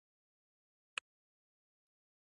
د سبزیجاتو تازه والي د بازار د اړتیا سره سمون خوري.